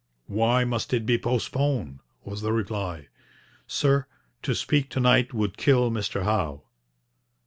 'Why must it be postponed?' was the reply. 'Sir, to speak to night would kill Mr Howe.'